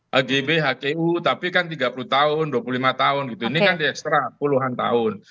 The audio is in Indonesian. hgb hcu tapi kan tiga puluh tahun dua puluh lima tahun gitu ini kan di ekstra puluhan tahun